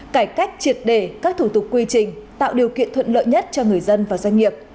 cải cách triệt đề các thủ tục quy trình tạo điều kiện thuận lợi nhất cho người dân và doanh nghiệp